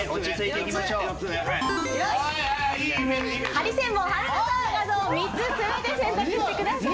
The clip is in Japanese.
ハリセンボン春菜さんの画像を３つ全て選択してください。